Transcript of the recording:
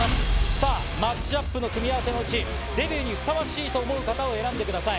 さあ、マッチアップの組み合わせのうち、デビューにふさわしいと思う方を選んでください。